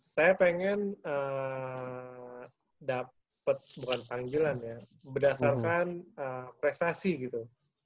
saya pengen dapat bukan panggilan ya berdasarkan prestasi gitu